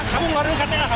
pengguna jalan mengaku aku